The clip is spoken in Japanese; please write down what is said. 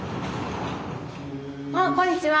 こんにちは。